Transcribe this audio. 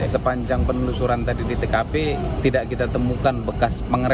sepanjang penelusuran tadi di tkp tidak kita temukan bekas pengereman